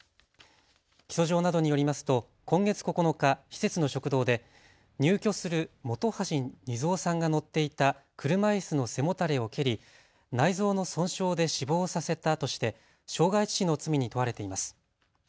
起訴状などによりますと今月９日、施設の食堂で入居する元橋二三さんが乗っていた車いすの背もたれを蹴り、内臓の損傷で死亡させたとして傷害致死の罪に問われています。